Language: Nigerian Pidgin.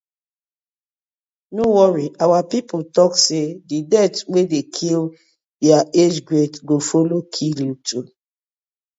No worry, our pipu tok say di death wey di kill yah age grade go follow kill yu too.